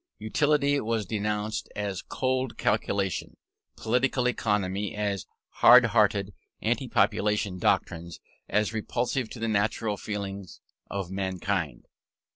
Utility was denounced as cold calculation; political economy as hard hearted; anti population doctrines as repulsive to the natural feelings of mankind.